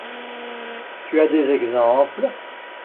Tu as des exemples?